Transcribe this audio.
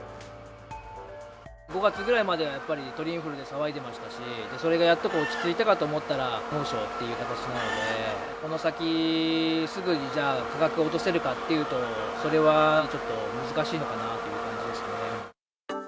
５月ぐらいまで、やっぱり鳥インフルで騒いでましたし、それがやっとこ落ち着いたかと思ったら、猛暑という形なので、この先、すぐに、じゃあ、価格落とせるかっていうと、それはちょっと難しいのかなという感じですね。